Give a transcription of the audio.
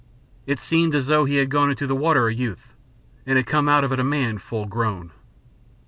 It seemed as though he had gone into the water a youth, and come out of it a man full grown.